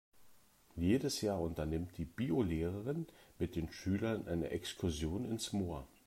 Jedes Jahr unternimmt die Biolehrerin mit den Schülern eine Exkursion ins Moor.